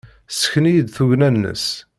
Ssken-iyi-d tugna-nnes.